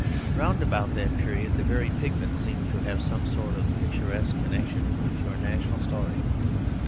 Round about that period, the very pigments seemed to have some sort of picturesque connection with your national story.